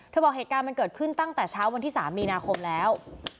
บอกเหตุการณ์มันเกิดขึ้นตั้งแต่เช้าวันที่๓มีนาคมแล้ว